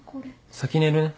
先寝るね。